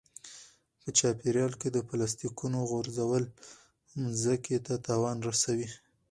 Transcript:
په چاپیریال کې د پلاستیکونو غورځول مځکې ته تاوان رسوي.